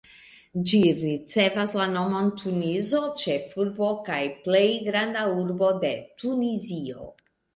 Ĝi ricevas la nomon Tunizo, ĉefurbo kaj plej granda urbo de Tunizio.